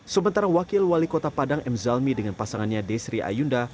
sementara wakil wali kota padang m zalmi dengan pasangannya desri ayunda